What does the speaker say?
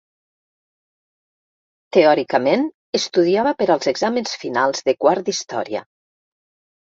Teòricament estudiava per als exàmens finals de quart d'Història.